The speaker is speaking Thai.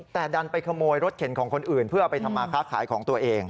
แต่ดันไปขโมยรถเข็นของคนอื่นเพื่อเอาไปทำมาค้าขายของตัวเอง